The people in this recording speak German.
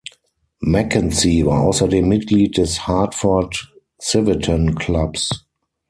Mackenzie war außerdem Mitglied des Hartford Civitan Clubs.